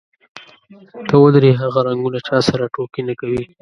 ته ودرې، هغه رنګونه چا سره ټوکې نه کوي.